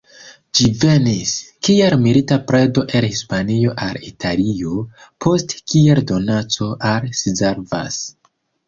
Ĝi venis, kiel milita predo el Hispanio al Italio, poste, kiel donaco, al Szarvas.